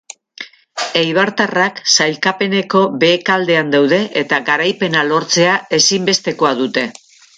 Eibartarrak sailkapeneko behekaldean daude eta garaipena lortzea ezinbestekoa dute.